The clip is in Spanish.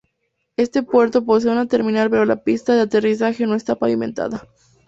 Este puerto posee un terminal pero la pista de aterrizaje no está pavimentado.